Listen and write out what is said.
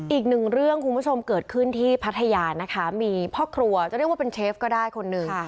อีกหนึ่งเรื่องคุณผู้ชมเกิดขึ้นที่พัทยานะคะมีพ่อครัวจะเรียกว่าเป็นเชฟก็ได้คนหนึ่ง